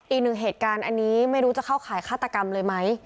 อีกหนึ่งเหตุการณ์อันนี้ไม่รู้จะเข้าข่ายฆาตกรรมเลยไหม